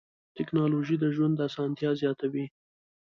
ټکنالوجي د ژوند اسانتیا زیاتوي.